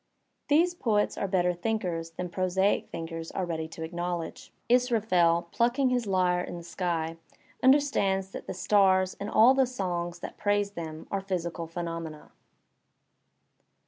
These poets are better thinkers than prosaic thinkers are ready to acknowl edge. Israf el, plucking his lyre in the sky, understands that the stars and all the songs that praise them are physical phenomena.